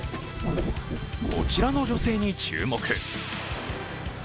こちらの女性に注目。